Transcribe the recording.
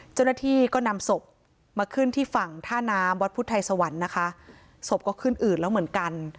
เจ้าหน้าที่ก็นำศพมาขึ้นที่ฝั่งท่าน้ำวัดพุทธไทยสวรรค์นะคะศพก็ขึ้นอืดแล้วเหมือนกัน